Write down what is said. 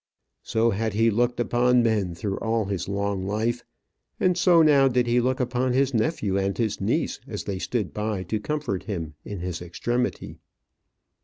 So had he looked upon men through all his long life, and so now did he look upon his nephew and his niece as they stood by to comfort him in his extremity.